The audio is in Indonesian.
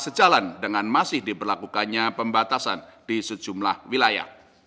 sejalan dengan masih diberlakukannya pembatasan di sejumlah wilayah